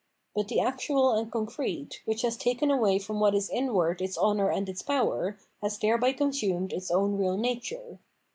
But the actual and concrete, which has taken away from what is inward its honour and its power, has thereby consumed its own real nature.